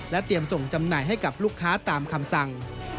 เตรียมส่งจำหน่ายให้กับลูกค้าตามคำสั่ง